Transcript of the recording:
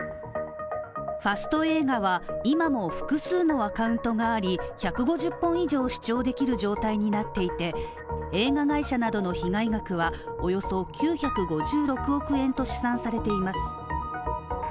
ファスト映画は、今も複数のアカウントがあり、１５０本以上視聴できる状態になっていて、映画会社などの被害額はおよそ９５６億円と試算されています。